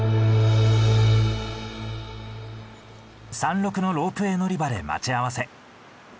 山麓のロープウエー乗り場で待ち合わせ。